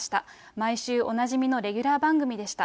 毎週おなじみのレギュラー番組でした。